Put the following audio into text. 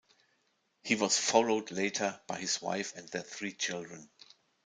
He was followed later by his wife and their three children.